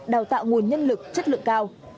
đào tạo nguồn nhân lực chất lượng cao